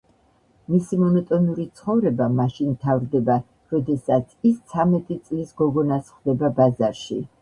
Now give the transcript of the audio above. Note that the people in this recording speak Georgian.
მისი მონოტონური ცხოვრება მაშინ მთავრდება, როდესაც ის ცამეტი წლის გოგონას ხვდება ბაზარში.